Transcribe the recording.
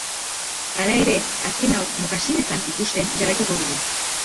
Hala ere, azken hau mokasinetan ikusten jarraituko dugu.